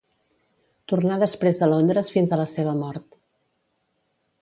Tornà després a Londres fins a la seva mort.